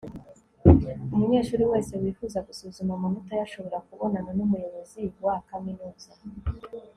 Umunyeshuri wese wifuza gusuzuma amanota ye ashobora kubonana numuyobozi wa kaminuza